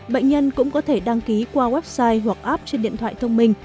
bệnh nhân cũng có thể đăng ký qua website hoặc app trên điện thoại thông minh